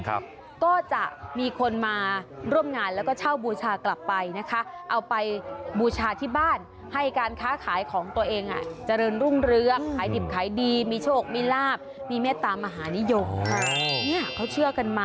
เนี่ยหาจะมีคนมาร่วมงานแล้วก็เช่าบูชากลับไปนะคะเอาไปบูชาที่บ้านให้การค้าขายของตัวเองอาจจะเริ่มรุ่งเรือกหมายถึงขายดีมีโชคมีลาทมีเมตตามหานิยมเขาเชือกัน